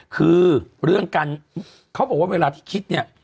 คือเรื่องการเขาบอกว่าเวลาที่คิดเนี่ย